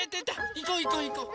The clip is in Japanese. いこういこういこう。